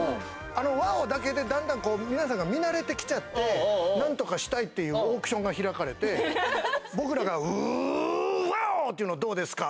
あの「ワオ！」だけでだんだん皆さんが見慣れてきちゃって何とかしたいっていうオークションが開かれて僕らがっていうのどうですか？